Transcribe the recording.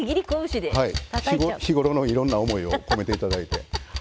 日頃のいろんな思いを込めていただいて。